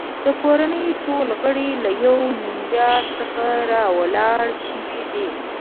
د کورنۍ ټول غړي له یوې نیا څخه راولاړ شوي دي.